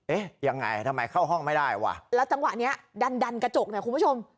เอ๊ะยังไงทำไมเข้าห้องไม่ได้ว่ะแล้วจังหวะเนี้ยดันดันกระจกเนี่ยคุณผู้ชม